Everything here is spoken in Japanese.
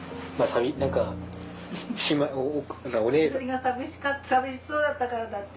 私が寂しそうだったからだって。